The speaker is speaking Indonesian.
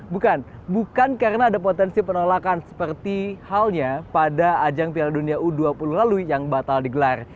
bukan bukan karena ada potensi penolakan seperti halnya pada ajang piala dunia u dua puluh lalu yang batal digelar